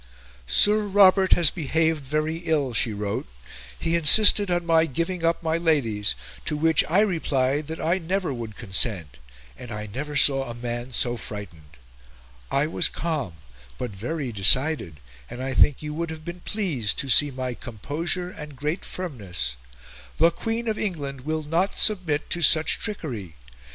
"Sir Robert has behaved very ill," she wrote, "he insisted on my giving up my Ladies, to which I replied that I never would consent, and I never saw a man so frightened... I was calm but very decided, and I think you would have been pleased to see my composure and great firmness; the Queen of England will not submit to such trickery.